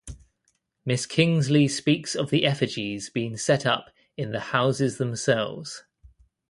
Miss Kingsley speaks of the effigies being set up in the houses themselves.